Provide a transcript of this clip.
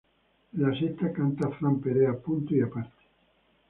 En la sexta, canta Fran Perea "Punto y aparte".